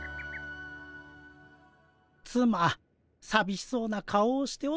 つまさびしそうな顔をしておったの。